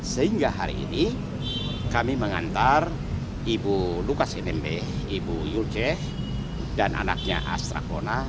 sehingga hari ini kami mengantar ibu lukas nmb ibu yulceh dan anaknya astra kona